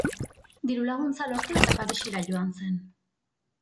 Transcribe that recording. Diru-laguntza lortu eta Parisa joan zen.